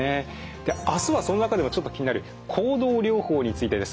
あすはその中でもちょっと気になる行動療法についてです。